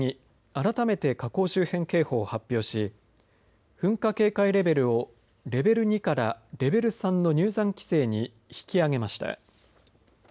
改めて火口周辺警報を発表し噴火警戒レベルをレベル２からレベル３の入山規制に引き上げました。